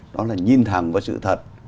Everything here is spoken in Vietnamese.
đó là nhìn thẳng với sự thật